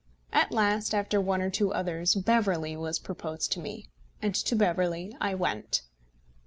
At last, after one or two others, Beverley was proposed to me, and to Beverley I went.